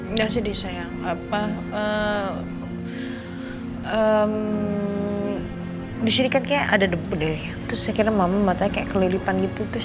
nggak sedih sayang rusytika ke ada debu nih terus iklim aaa mata y impossible ya cors